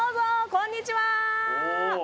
こんにちは。